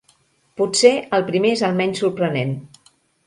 Potser el primer és el menys sorprenent.